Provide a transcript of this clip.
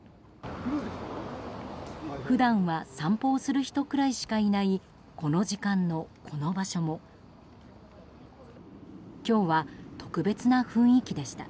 普段は散歩をする人くらいしかいないこの時間のこの場所も今日は特別な雰囲気でした。